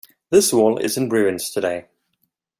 This wall is in ruins today.